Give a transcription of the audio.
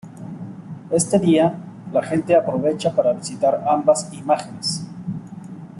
Este día la gente aprovecha para visitar ambas imágenes.